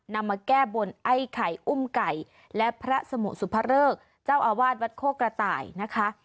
มาแก้บนไอ้ไข่อุ้มไก่และพระสมุสุภเริกเจ้าอาวาสวัดโคกระต่ายนะคะ